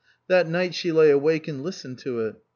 That night she lay awake and listened to it.